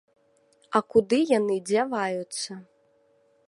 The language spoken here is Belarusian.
А куды яны дзяваюцца?